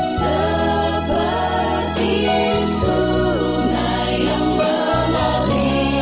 seperti sungai yang menari